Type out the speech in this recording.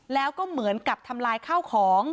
แล้วก็เหมือนกับทำลายข้าวของ